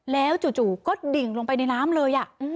แล้วจู่ก็ดิ่งลงไปในน้ำเลย